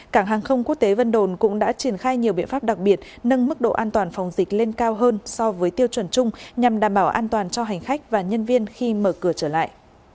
cảng hàng không quốc tế vân đồn cũng đã triển khai nhiều biện pháp đặc biệt nâng mức độ an toàn phòng dịch lên cao hơn so với tiêu chuẩn chung nhằm đảm bảo an toàn cho hành khách và nhân viên khi mở cửa trở lại